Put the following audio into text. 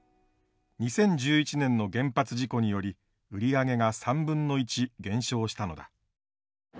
２０１１年の原発事故により売り上げが３分の１減少したのだ。